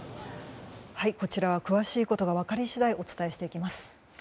こちらは詳しいことが分かり次第お伝えします。